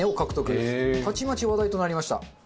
たちまち話題となりました。